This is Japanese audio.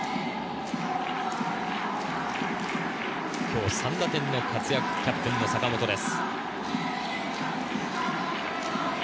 今日３打点の活躍、キャプテン・坂本です。